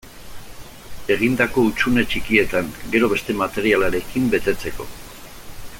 Egindako hutsune txikietan, gero beste materialarekin betetzeko.